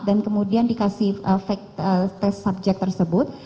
dan kemudian dikasih fake test subject tersebut